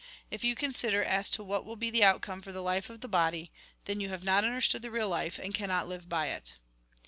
If you consider as to what will be the outcome for the life of the body, then you have not understood the real life, and cannot live by it."